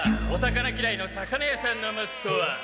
お魚ぎらいの魚屋さんの息子は。